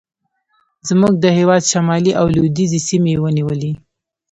زموږ د هېواد شمالي او لوېدیځې سیمې ونیولې.